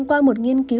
qua một nghiên cứu